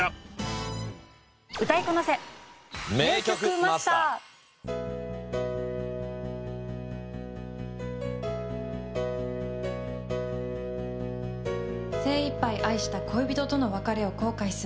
果たして精いっぱい愛した恋人との別れを後悔する。